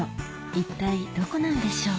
一体どこなんでしょう？